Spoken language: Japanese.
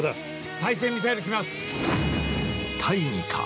・対潜ミサイル来ます！